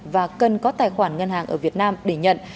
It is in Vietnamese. và cần có tài khoản ngân hàng ở việt nam để nhận